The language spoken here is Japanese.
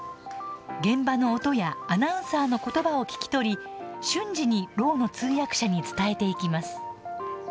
現場の音やアナウンサーのことばを聞き取り瞬時にろうの通訳者に伝えていきます。